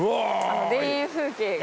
田園風景が。